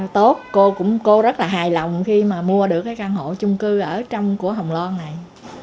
tốt cô cũng cô rất là hài lòng khi mà mua được cái căn hộ chung cư ở trong của hồng loan này